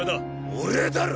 俺だろ！